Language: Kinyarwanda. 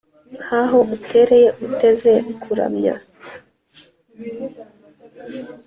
Nkaho utereye uteze kuramya